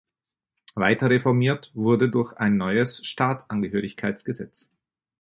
Weiter reformiert wurde durch ein neues Staatsangehörigkeitsgesetz.